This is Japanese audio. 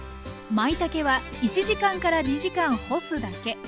まいたけは１時間から２時間干すだけ。